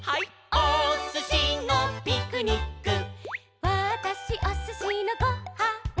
「おすしのピクニック」「わたしおすしのご・は・ん」